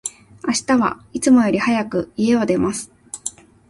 明日は、いつもより早く、家を出ます。